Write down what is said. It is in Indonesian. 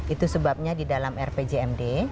itu sebabnya di dalam rpjmd